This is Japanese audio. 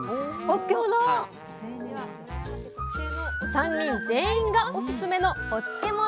３人全員がオススメのお漬物。